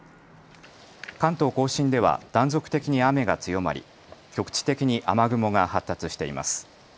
関東甲信では断続的に雨が強まり局地的に雨雲が発達しています。